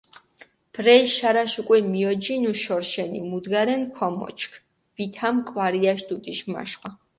ბრელი შარაშ უკული მიოჯინუ შორიშენი, მუდგარენი ქომოჩქ, ვითამ კვარიაში დუდიში მაშხვა.